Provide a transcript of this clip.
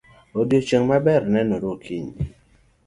Odiochieng' maber nenore okinyi.